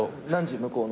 向こうの。